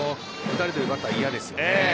打たれているバッターは嫌ですね。